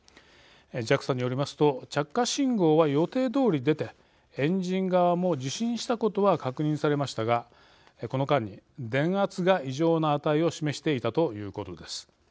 ＪＡＸＡによりますと着火信号は予定どおり出てエンジン側も受信したことは確認されましたがこの間に電圧が異常な値を示していたということです。